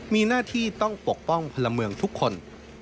มีหน้าที่ต้องปกป้องพลเมืองทุกคน